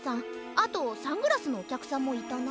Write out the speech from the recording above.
あとサングラスのおきゃくさんもいたな。